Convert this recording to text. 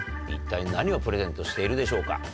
一体何をプレゼントしているでしょうか？